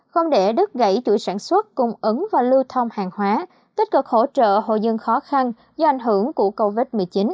không để đứt gãy chuỗi sản xuất cung ứng và lưu thông hàng hóa tích cực hỗ trợ hộ dân khó khăn do ảnh hưởng của covid một mươi chín